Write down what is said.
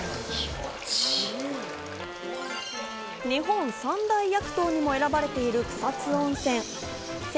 日本三大薬湯にも選ばれている草津温泉。